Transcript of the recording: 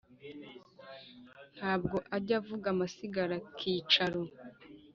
Ntabwo ajya avuga amasigarakicaro